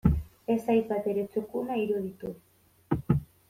Ez zait batere txukuna iruditu.